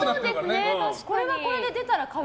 これはこれで、出たら買う。